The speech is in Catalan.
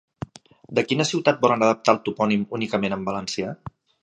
De quina ciutat volen adaptar el topònim únicament en valencià?